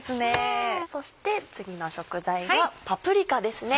そして次の食材はパプリカですね。